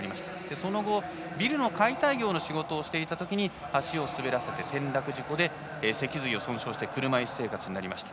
その後、ビルの解体業の仕事をしていたとき足を滑らせて転落事故で脊髄を損傷して車いす生活になりました。